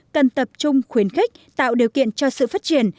cần tập trung khuyến khích tạo điều kiện cho sự phát triển